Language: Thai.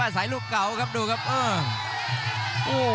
อาศัยรูปเก่าครับดูครับโอ้โห